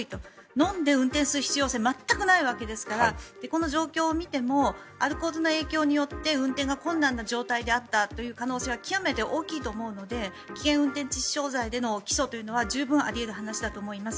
飲んで運転する必要性は全くないわけですからこの状況を見てもアルコールの影響によって運転が困難な状態であった可能性は極めて大きいと思うので危険運転致死傷罪での起訴というのは十分あり得る話だと思います。